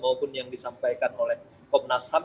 maupun yang disampaikan oleh om nasam